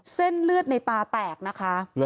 เส้นเลือดในตาแตกนะคะ